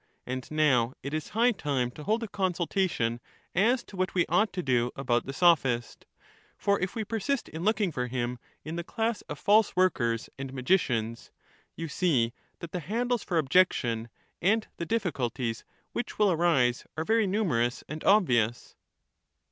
And now it is high time to hold a consultation as to what we ought to do about the Sophist ; for if we persist in looking for him in the class of false workers and magicians, you see that the handles for objection and the difficulties which will arise are very numerous and obvious.